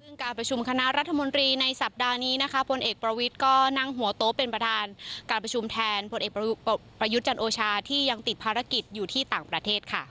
ซึ่งการประชุมคณะรัฐมนตรีในสัปดาห์นี้นะคะพลเอกประวิทย์ก็นั่งหัวโต๊ะเป็นประธานการประชุมแทนผลเอกประยุทธ์จันโอชาที่ยังติดภารกิจอยู่ที่ต่างประเทศค่ะ